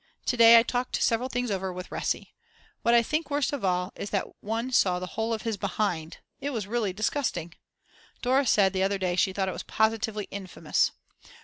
To day I talked several things over with Resi. What I think worst of all is that one saw the whole of his behind, it was really disgusting. Dora said the other day she thought it was positively infamous.